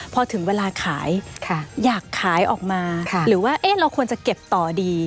พอถึงเวลาขายอยากขายออกมาหรือว่าเราควรจะเก็บต่อดี